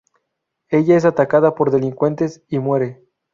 Ella es atacada por delincuentes y muere.